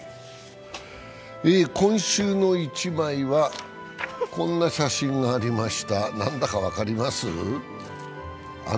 「今週の一枚」はこんな写真がありました。